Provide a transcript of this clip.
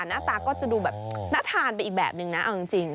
หน้าตาก็จะดูแบบน่าทานไปอีกแบบนึงนะเอาจริง